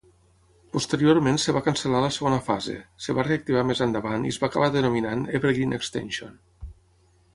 Posteriorment es va cancel·lar la segona fase; es va reactivar més endavant i es va acabar denominant Evergreen Extension.